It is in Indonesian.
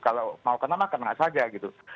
kalau mau kena makan nggak saja gitu